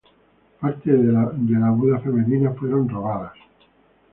Partes de la Buda femenina fueron robadas.